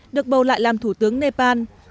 được bầu lại làm thủ tướng nepal